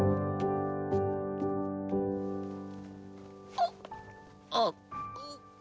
あっあっ。